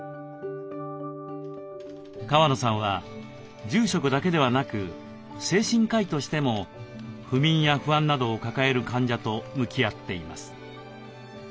川野さんは住職だけではなく精神科医としても不眠や不安などを抱える患者と向き合っています。